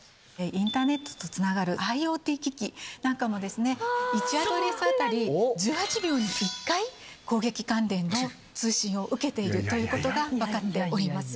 インターネットとつながるＩｏＴ機器なんかも１アドレス当たり、１８秒に１回、攻撃関連の通信を受けているということが分かっております。